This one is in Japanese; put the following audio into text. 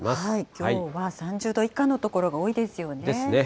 きょうは３０度以下の所が多いですよね。ですね。